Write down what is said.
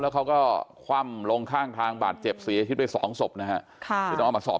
แล้วเขาก็คว่ำลงข้างทางบาดเจ็บเสียชีวิตไปสองศพนะครับ